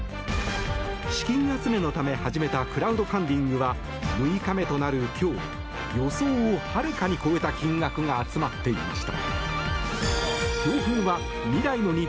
資金集めのため始めたクラウドファンディングは６日目となる今日予想をはるかに超えた金額が集まっていました。